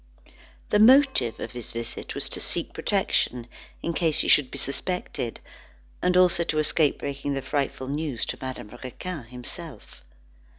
The motive of his visit was to seek protection, in case he should be suspected, and also to escape breaking the frightful news to Madame Raquin himself.